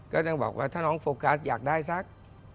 ก็ยังบอกว่าถ้าน้องโฟกัสอยากได้สัก